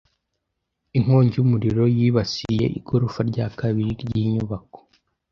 Inkongi y'umuriro yibasiye igorofa rya kabiri ry'inyubako.